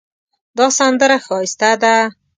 دا سندره ښایسته ده